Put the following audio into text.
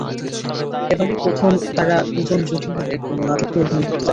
এবারই প্রথম তাঁরা দুজন জুটি হয়ে কোনো নাটকে অভিনয় করতে যাচ্ছেন।